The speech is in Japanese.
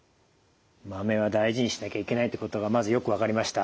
豆は大事にしなきゃいけないってことがまずよく分かりました。